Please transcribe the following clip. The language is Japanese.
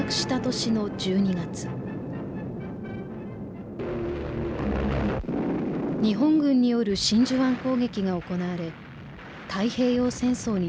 日本軍による真珠湾攻撃が行われ太平洋戦争に突入しました。